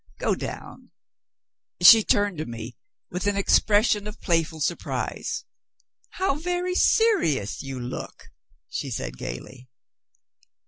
go down," She turned to me, with an expression of playful surprise. "How very serious you look!" she said gaily.